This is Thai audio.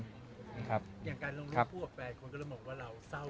อย่างการลงรุ่นผู้กับแฟนคุณก็จะบอกว่าเราเศร้า